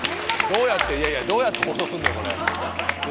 どうやって放送すんだよこれ。